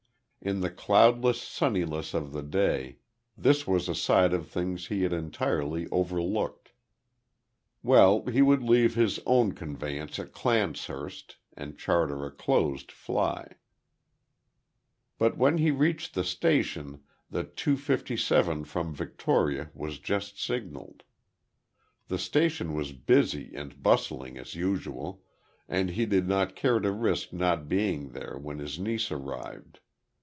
In the cloudless sunniness of the day this was a side of things he had entirely overlooked. Well, he would leave his own conveyance at Clancehurst and charter a closed fly. But when he reached the station, the 2:57 from Victoria was just signalled. The station was busy and bustling as usual, and he did not care to risk not being there when his niece arrived.